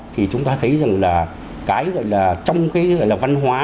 thì chúng ta thấy rằng là cái gọi là trong cái gọi là văn hóa